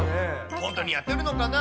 本当にやってるのかな。